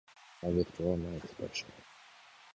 I withdraw my expression.